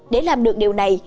để làm được điều này